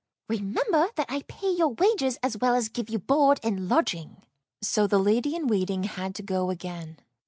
Remember that I pay your wages as well as give you board and lodging." So the lady in waiting had to go again.